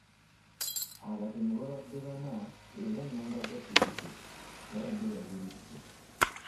Abatemu babadde bana era nnamba za ppikipiki babadde bazibisse.